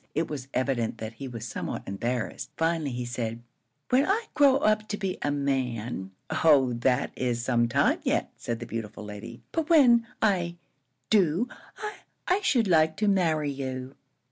It was evident that he was somewhat embarrassed. Finally he said, "When I grow up to be a man " "Oh, that is some time yet!" said the beautiful lady. "But when I do, I I should like to marry you."